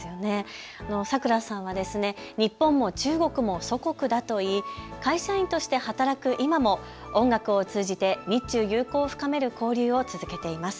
さくらさんは日本も中国も祖国だといい会社員として働く今も音楽を通じて日中友好を深める交流を続けています。